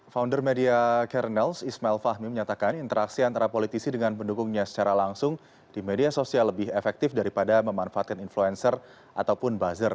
founder media kernels ismail fahmi menyatakan interaksi antara politisi dengan pendukungnya secara langsung di media sosial lebih efektif daripada memanfaatkan influencer ataupun buzzer